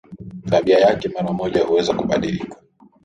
tabia yake mara moja huweza kubadilika